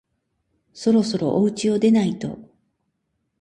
そろそろおうちを出ないと